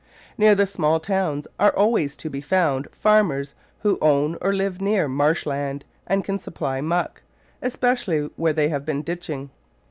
Near the small towns are always to be found farmers who own or live near marsh land, and can supply muck, especially where they have been ditching.